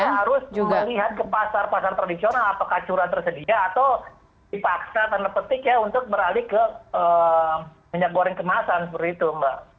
saya harus juga lihat ke pasar pasar tradisional apakah curah tersedia atau dipaksa tanda petik ya untuk beralih ke minyak goreng kemasan seperti itu mbak